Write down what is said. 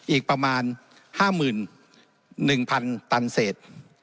อีกประมาณ๕๑๐๐๐ตันเศษ